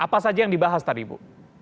apa saja yang dibahas tadi ibu